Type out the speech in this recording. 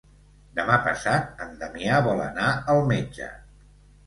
Demà passat en Damià vol anar al metge.